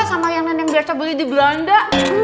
sama yang nenek biasa beli di belanda